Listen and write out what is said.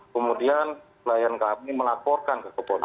kemudian klien kami melaporkan ke kepolisian